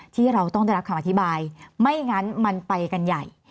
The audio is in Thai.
ที่เราต้องได้รับคำอธิบายไม่งั้นมันไปกันใหญ่